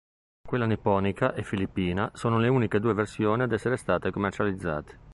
Quella nipponica e filippina sono le uniche due versioni ad essere state commercializzate.